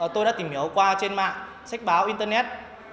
tôi đã tìm hiểu qua trên mạng sách báo internet